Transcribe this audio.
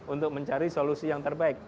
untuk mencari solusi yang terbaik